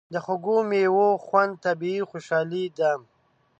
د خوږو میوو خوند طبیعي خوشالي ده.